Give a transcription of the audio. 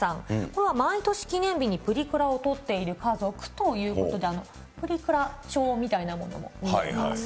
これは毎年記念日にプリクラを撮っている家族ということで、プリクラ帳みたいなものも見えます。